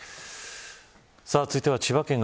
続いては千葉県の